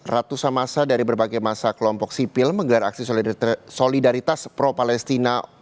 ratusan masa dari berbagai masa kelompok sipil menggelar aksi solidaritas pro palestina